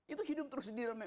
itu hidup terus di dalamnya